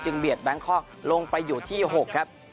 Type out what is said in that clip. เบียดแบงคอกลงไปอยู่ที่๖ครับ